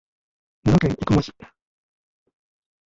奈良県生駒市